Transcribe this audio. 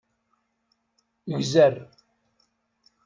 Gzer.